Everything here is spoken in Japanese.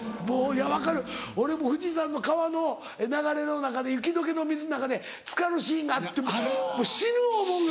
分かる俺も富士山の川の流れの中で雪解けの水の中でつかるシーンがあってもう死ぬ思うよ。